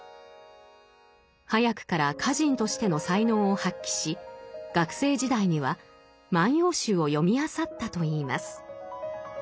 早くから歌人としての才能を発揮し学生時代には「万葉集」を読みあさったといいます。